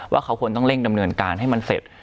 ว่าเขาควรต้องเร่งดำเนินการให้มันเสร็จ